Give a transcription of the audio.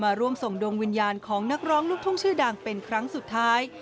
ร่วมส่งดวงวิญญาณของนักร้องลูกทุ่งชื่อดังเป็นครั้งสุดท้าย